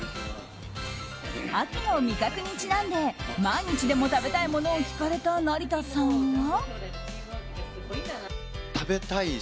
秋の味覚にちなんで毎日でも食べたいものを聞かれた成田さんは。